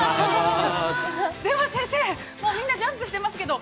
では先生、もうみんなジャンプしてますけど。